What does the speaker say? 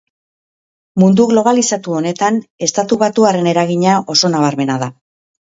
Mundu globalizatu honetan estatubatuarren eragina oso nabarmena da.